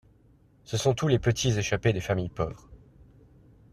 Ce sont tous les petits échappés des familles pauvres.